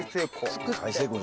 大成功。